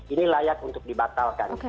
ini layak untuk dibatalkan